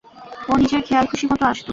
ও নিজের খেয়াল খুশি মতো আসত।